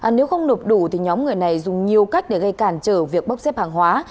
nếu không nộp đủ thì nhóm người này dùng nhiều cách để gây cản trở việc bốc xếp hàng hóa